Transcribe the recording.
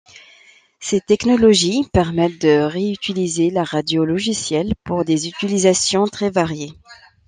Ces technologies permettent de réutiliser la radio logicielle pour des utilisations très variées.